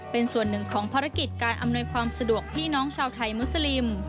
เป็นส่วนหนึ่งของภารกิจการอำนวยความสะดวกพี่น้องชาวไทยมุสลิม